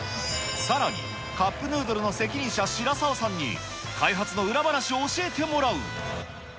さらに、カップヌードルの責任者、白澤さんに開発の裏話を教えてもらう。